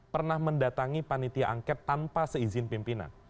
pernah mendatangi panitia angket tanpa seizin pimpinan